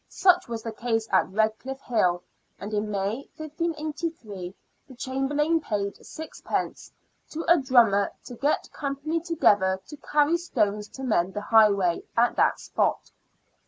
Such was the case at Redchff Hill, and in May, 1583, the Chamberlain paid sixpence " to a drummer to get company together to carry stones to mend the highway " at that spot.